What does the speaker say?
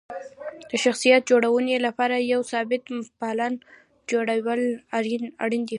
د شخصیت جوړونې لپاره یو ثابت پلان جوړول اړین دي.